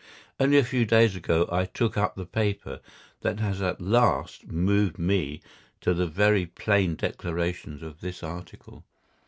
Only a few days ago I took up the paper that has at last moved me to the very plain declarations of this article.